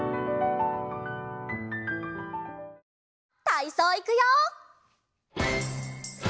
たいそういくよ！